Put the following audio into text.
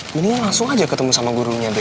mendingan langsung aja ketemu sama gurunya be